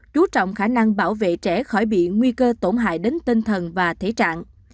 chú trọng khả năng bảo vệ trẻ khỏi bị nguy cơ tổn hại đến tinh thần và thể trạng